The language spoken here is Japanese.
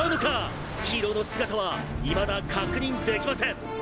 ヒーローの姿はいまだ確認できません。